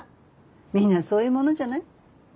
みんなそういうものじゃない？